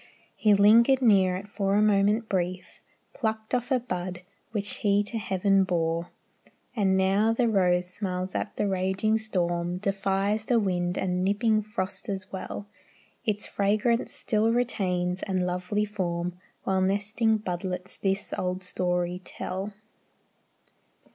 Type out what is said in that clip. He lingered near it for a moment brief, Plucked off a bud, which he to heaven bore; And now the rose smiles at the raging storm, Defies the wind and nipping frost as well; Its fragrance still retains, and lovely form, While nestling budlets this old story tell.